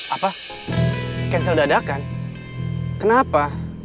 apa cancel dadakan kenapa